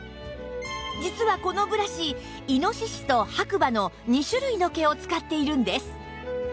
実はこのブラシ猪と白馬の２種類の毛を使っているんです